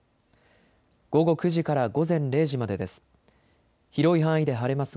午後９時から午前０時までです。